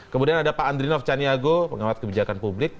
kemudian ada pak andrinov caniago pengamat kebijakan publik